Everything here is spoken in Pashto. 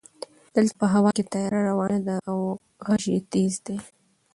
دلته په هوا کې طیاره روانه ده او غژ یې تېز ده.